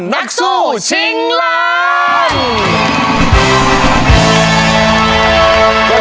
นักสู้ชิงล้าน